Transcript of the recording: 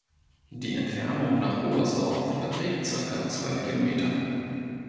Die Entfernung nach Oberstdorf beträgt circa zwölf Kilometer.